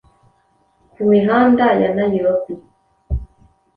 ku mihanda ya nairobi